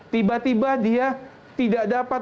tiba tiba dia tidak dapat